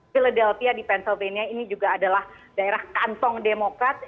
philadelphia di pensilvania ini juga adalah daerah kantong demokrat